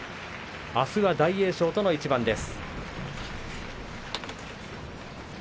あすは大栄翔との一番です。